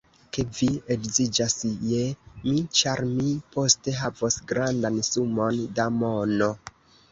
Ke vi edziĝas je mi, ĉar mi poste havos grandan sumon da mono.